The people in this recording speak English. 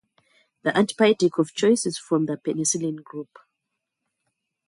The antibiotic of choice is from the penicillin group.